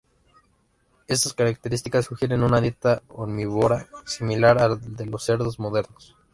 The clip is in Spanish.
Estas características sugieren una dieta omnívora, similar a la de los cerdos modernos.